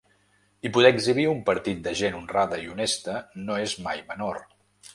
I poder exhibir un partit de gent honrada i honesta no és mai menor.